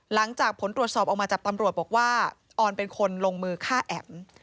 หลังจากผลตรวจสอบออกมาจากตำรวจบอกว่าออนเป็นคนลงมือฆ่าแอ๋ม